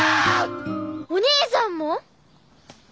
お兄さんも？